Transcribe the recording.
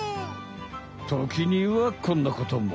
ときにはこんなことも！